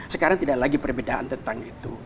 sekarang tidak lagi perbedaan tentang itu